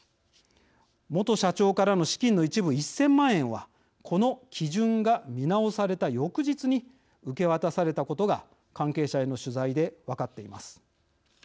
元社長からの資金の一部１０００万円はこの基準が見直された翌日に受け渡されたことが関係者への取材で分かっています。